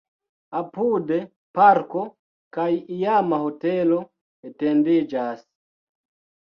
Apude parko kaj iama hotelo etendiĝas.